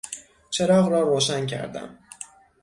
چراغ را روشن کردم.